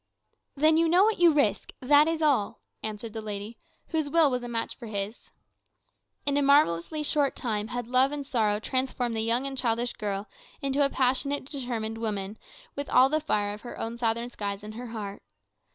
"Then you know what you risk, that is all," answered the lady, whose will was a match for his. In a marvellously short time had love and sorrow transformed the young and childish girl into a passionate, determined woman, with all the fire of her own southern skies in her heart.